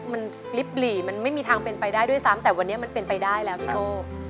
มันลิบหลีมันไม่มีทางเป็นไปได้ด้วยซ้ำแต่วันนี้มันเป็นไปได้แล้วพี่โก้